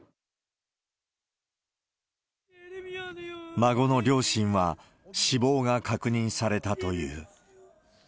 孫の両親は、死亡が確認されたという。